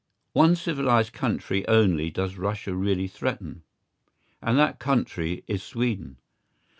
One civilised country only does Russia really "threaten," and that country is Sweden.